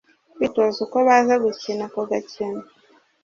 kwitoza uko baza gukina ako gakino